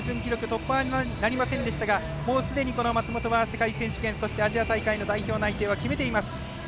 突破はなりませんでしたがすでに松元は世界選手権アジア大会の代表内定は決めています。